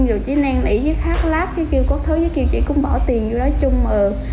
rồi chiếc nang nỉ với khát láp với kiểu có thứ với kiểu chị cũng bỏ tiền vô đó chung mượm